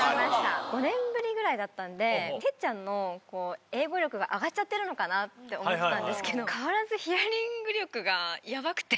５年ぶりぐらいだったんで哲ちゃんの英語力が上がっちゃってるのかなって思ってたんですけど変わらずヒアリング力がヤバくて。